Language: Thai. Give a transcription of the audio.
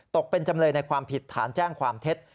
ตกเป็นจำเลยในความผิดฐานแจ้งความเท็จ